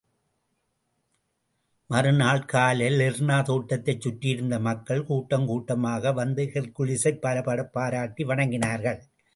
மறுநாள் காலை லெர்னா தோட்டத்தைச் சுற்றியிருந்த மக்கள் கூட்டம் கூட்டமாக வந்து ஹெர்க்குலிஸைப் பலபடப் பாராட்டி வணங்கினார்கள்.